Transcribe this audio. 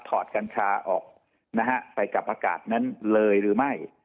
กัญชาออกนะฮะไปกับอากาศนั้นเลยหรือไม่